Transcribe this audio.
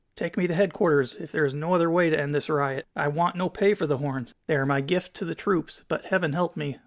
Take me to headquarters, if there is no other way to end this riot. I want no pay for the horns. They are my gift to the troops, but, Heaven help me!